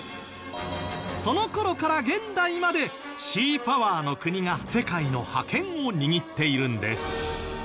その頃から現代までシーパワーの国が世界の覇権を握っているんです。